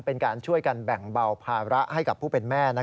เป็นการช่วยกันแบ่งเบาภาระให้กับผู้เป็นแม่